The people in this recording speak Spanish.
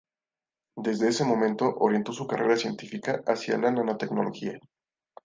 Desde ese momento orientó su carrera científica hacia la nanotecnología.